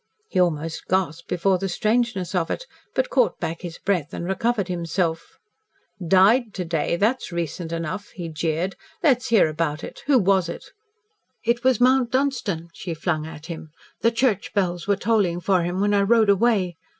He almost gasped before the strangeness of it, but caught back his breath and recovered himself. "Died to day! That's recent enough," he jeered. "Let us hear about it. Who was it?" "It was Mount Dunstan," she flung at him. "The church bells were tolling for him when I rode away.